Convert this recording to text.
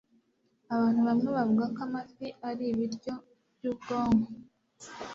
Abantu bamwe bavuga ko amafi ari ibiryo byubwonko